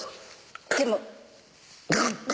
でも。